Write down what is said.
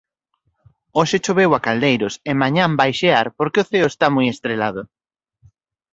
Hoxe choveu a caldeiros e mañá vai xear porque o ceo está moi estrelado.